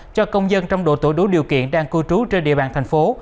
cho công dân trong độ tuổi đủ điều kiện đang cư trú trên địa bàn thành phố